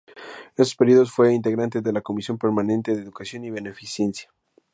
En estos períodos fue integrante de la Comisión permanente de Educación y Beneficencia.